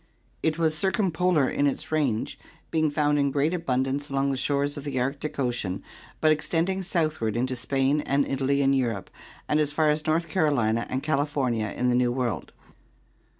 It was circumpolar in its range, being found in great abundance along the shores of the Arctic Ocean but extending southward into Spain and Italy in Europe and as far as North Carolina and Cali fornia in the New World.